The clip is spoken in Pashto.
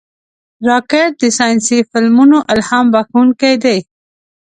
راکټ د ساینسي فلمونو الهام بښونکی دی